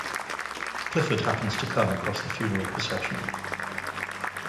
Clifford happens to come across the funeral procession.